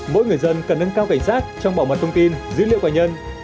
mỗi người dân cần nâng cao cảnh sát trong bảo mật thông tin dữ liệu cài nhân